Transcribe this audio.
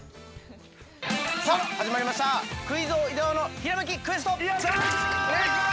◆さあ始まりました、「クイズ王・伊沢のひらめきクエスト」◆やった！